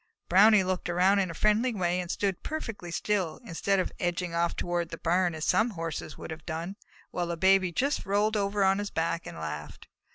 Brownie looked around in a friendly way and stood perfectly still, instead of edging off toward the barn as some Horses would have done, while the Baby just rolled over on his back and laughed.